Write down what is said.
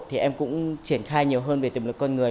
thì em cũng triển khai nhiều hơn về tiềm lực con người